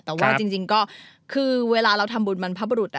แต่ว่าจริงก็คือเวลาเราทำบุญบรรพบรุษ